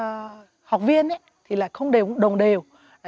nhận thức của các học viên thì không đồng đều